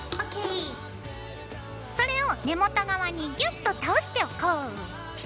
それを根元側にギュッと倒しておこう。